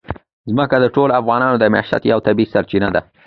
ځمکه د ټولو افغانانو د معیشت یوه طبیعي سرچینه ده.